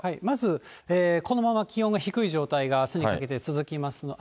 まずこのまま気温が低い状態があすにかけて続きます。